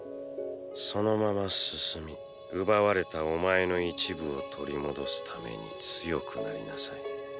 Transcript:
そのまま進み奪われたお前の一部を取り戻すために強くなりなさい。